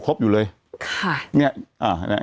แต่หนูจะเอากับน้องเขามาแต่ว่า